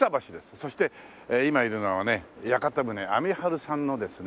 そして今いるのはね屋形船あみ春さんのですね